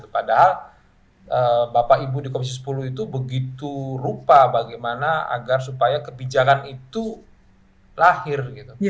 padahal bapak ibu di komisi sepuluh itu begitu rupa bagaimana agar supaya kebijakan itu lahir